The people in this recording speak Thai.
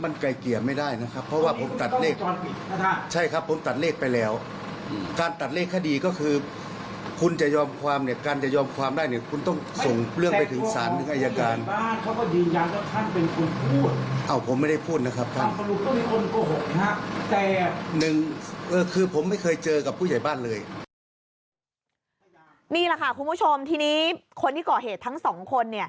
นี่แหละค่ะคุณผู้ชมทีนี้คนที่ก่อเหตุทั้งสองคน